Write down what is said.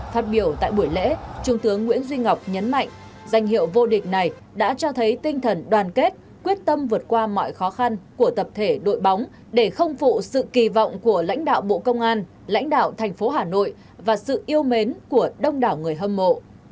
phát biểu tại buổi lễ trung tướng nguyễn duy ngọc nhấn mạnh danh hiệu vô địch này đã cho thấy tinh thần đoàn kết quyết tâm vượt qua mọi khó khăn của tập thể đội bóng để không phụ sự kỳ vọng của lãnh đạo bộ công an lãnh đạo thành phố hà nội và sự yêu mến của đông đảo người hâm mộ